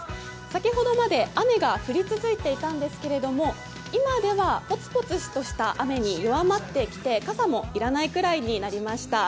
先ほどまで雨が降り続いていたんですけれども今ではポツポツとした雨に弱まってきて傘も要らないくらいになりました。